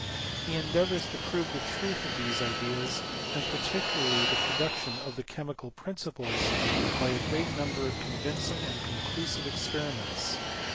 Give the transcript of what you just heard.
He endeavours to prove the truth of these ideas, and particularly the production of the chemical principles, by a great number of convincing and conclusive experiments.